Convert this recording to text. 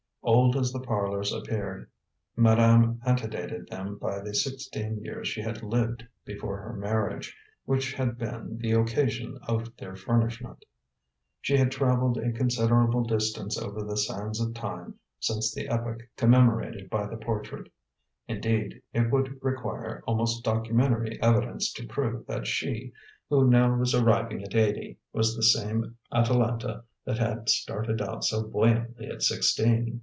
Old as the parlors appeared, madame antedated them by the sixteen years she had lived before her marriage, which had been the occasion of their furnishment. She had traveled a considerable distance over the sands of time since the epoch commemorated by the portrait. Indeed, it would require almost documentary evidence to prove that she, who now was arriving at eighty, was the same Atalanta that had started out so buoyantly at sixteen.